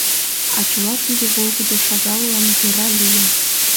А чыла тиде волгыдо шагаллан кӧра лийын.